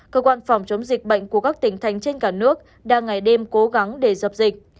cơ quan phòng chống dịch bệnh của các tỉnh thành trên cả nước đang ngày đêm cố gắng để dập dịch